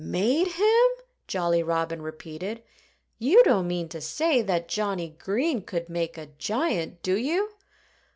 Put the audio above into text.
"Made him!" Jolly Robin repeated. "You don't mean to say that Johnnie Green could make a giant, do you?"